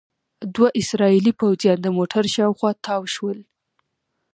دوه اسرائیلي پوځیان د موټر شاوخوا تاو شول.